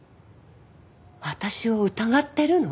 私を疑ってるの？